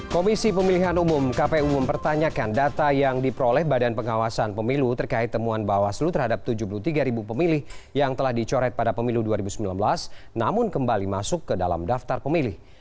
komisi pemilihan umum kpu mempertanyakan data yang diperoleh badan pengawasan pemilu terkait temuan bawaslu terhadap tujuh puluh tiga pemilih yang telah dicoret pada pemilu dua ribu sembilan belas namun kembali masuk ke dalam daftar pemilih